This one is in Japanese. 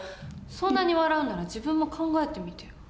そんなに笑うなら自分も考えてみてよ。